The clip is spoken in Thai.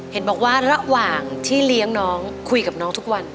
เห็นบอกว่าระหว่างที่เลี้ยงน้องคุยกับน้องทุกวัน